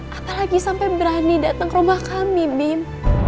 apalagi sampai berani datang ke rumah kami bim